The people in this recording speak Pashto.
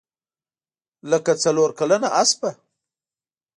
لکه څلورکلنه اسپه.